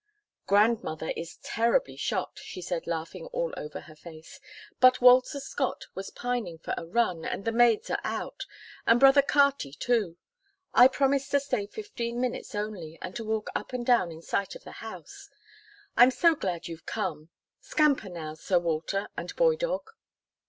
"Grandmother is terribly shocked," she said laughing all over her face, "but Walter Scott was pining for a run, and the maids are out, and brother Carty too. I promised to stay fifteen minutes only, and to walk up and down in sight of the house. I'm so glad you've come scamper now, Sir Walter and Boy Dog."